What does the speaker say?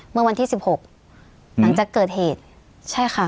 เมื่อวันที่สิบหกหลังจากเกิดเหตุใช่ค่ะ